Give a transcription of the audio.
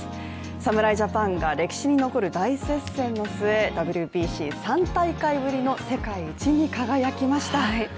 侍ジャパンが歴史に残る大接戦の末ＷＢＣ３大会ぶりの世界一に輝きました。